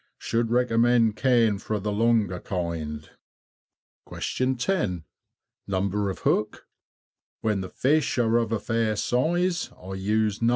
Should recommend cane for the longer kind. 10. Number of hook? When the fish are of fair size, I use No.